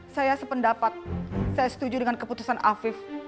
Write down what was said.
saya sependapat saya setuju dengan keputusan afif